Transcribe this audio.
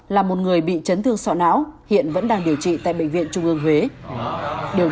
là một người bị chấn thương sọ não hiện vẫn đang điều trị tại bệnh viện trung ương huế